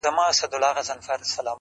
سترگو کي باڼه له ياده وباسم ـ